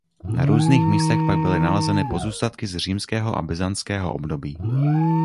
Na různých místech pak byly nalezeny pozůstatky z římského a byzantského období.